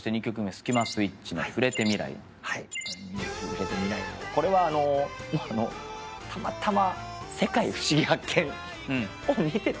スキマスイッチの『ふれて未来を』これはたまたま『世界ふしぎ発見！』を見てて。